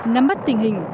nắm bắt tình hình